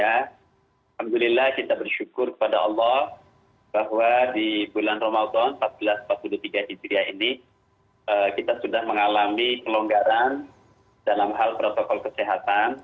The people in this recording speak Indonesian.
alhamdulillah kita bersyukur kepada allah bahwa di bulan ramadan seribu empat ratus empat puluh tiga hijriah ini kita sudah mengalami pelonggaran dalam hal protokol kesehatan